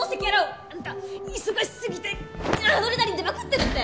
あんた忙しすぎてアドレナリン出まくってるって！